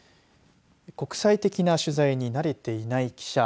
国際的な取材に慣れていない記者。